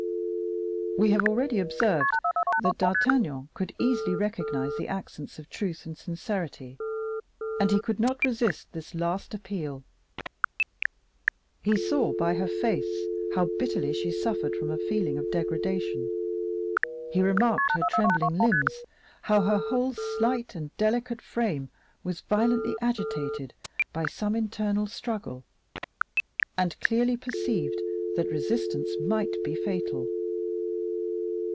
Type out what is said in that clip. We have already observed that D'Artagnan could easily recognize the accents of truth and sincerity, and he could not resist this last appeal. He saw by her face how bitterly she suffered from a feeling of degradation, he remarked her trembling limbs, how her whole slight and delicate frame was violently agitated by some internal struggle, and clearly perceived that resistance might be fatal.